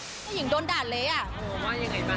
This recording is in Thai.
เธอหญิงโดนด่าเล๋อะ